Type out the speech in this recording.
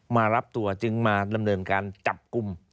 มารับตัวจึงมาดำเนินการจับกลุ่ม